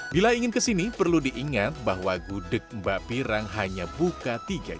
bila ingin kesini perlu diingat bahwa gudeg mbak pirang hanya buka tiga jam